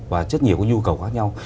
và rất nhiều nhu cầu khác nhau